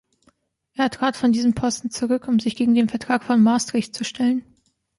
Er trat von diesem Posten zurück, um sich gegen den Vertrag von Maastricht zu stellen.